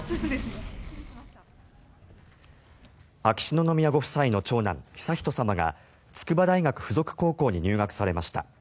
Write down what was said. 秋篠宮ご夫妻の長男悠仁さまが筑波大学附属高校に入学されました。